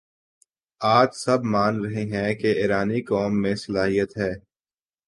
آج سب مان رہے ہیں کہ ایرانی قوم میں صلاحیت ہے